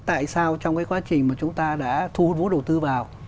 tại sao trong cái quá trình mà chúng ta đã thu hút vốn đầu tư vào